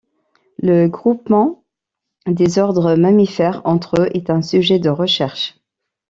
Le groupement des ordres mammifères entre eux est un sujet de recherche.